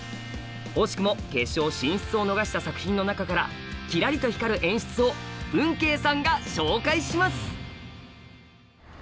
惜しくも決勝進出を逃した作品の中からきらりと光る演出をぶんけいさんが紹介します！